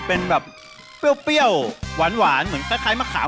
เป็นแป้วหวานเหมือนซะใคร้มะขาว